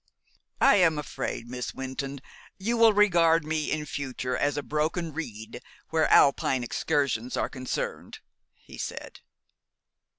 "I am afraid, Miss Wynton, you will regard me in future as a broken reed where Alpine excursions are concerned," he said.